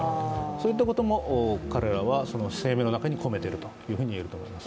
そういったことも彼らは声明の中に込めてるということが言えると思います。